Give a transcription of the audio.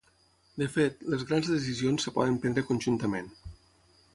De fet, les grans decisions es poden prendre conjuntament.